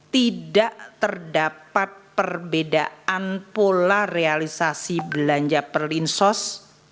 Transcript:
tidak terdapat perbedaan pola realisasi belanja perlinsos